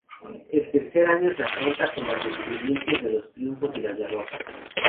El tercer año se afronta con las experiencias de los triunfos y las derrotas.